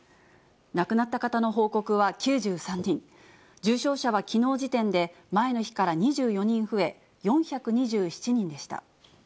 亡くなった方の報告は９３人、重症者はきのう時点で前の日から２４人増え、４２７人でした。